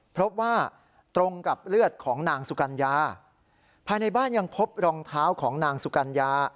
พบว่าตรงกับเลือดของนางสุกัญญาภายในบ้านยังพบรองเท้าของนางสุกัญญา